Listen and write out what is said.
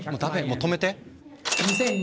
もう止めて！